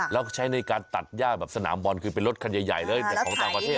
แล้วใช้ในการตัดย่าแบบสนามบอลคือเป็นรถคันใหญ่เลยอย่างของต่างประเทศ